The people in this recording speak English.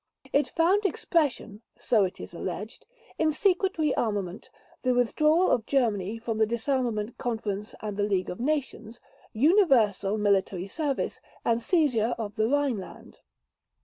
It found expression, so it is alleged, in secret rearmament, the withdrawal by Germany from the Disarmament Conference and the League of Nations, universal military service, and seizure of the Rhineland.